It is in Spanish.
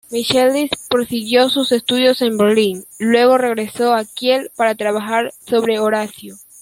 Michaelis prosiguió sus estudios en Berlín, luego regresó a Kiel para trabajar sobre Horacio.